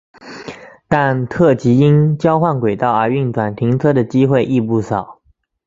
但特急因交换轨道而运转停车的机会亦不少。